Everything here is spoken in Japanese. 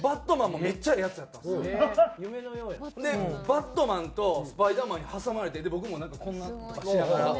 バッドマンとスパイダーマンに挟まれて僕もなんかこんなんとかしながら。